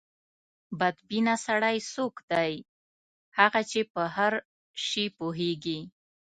بد بینه سړی څوک دی؟ هغه چې په هر شي پوهېږي.